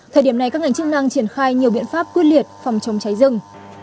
thời điểm này các ngành chức năng triển khai nhiều biện pháp quyết liệt phòng chống cháy rừng